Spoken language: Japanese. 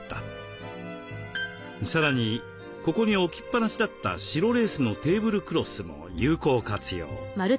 さらにここに置きっぱなしだった白レースのテーブルクロスも有効活用。